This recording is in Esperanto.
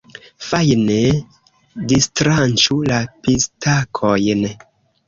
Fajne distranĉu la pistakojn.